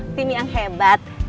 tim yang hebat